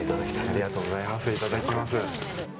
ありがとうございます。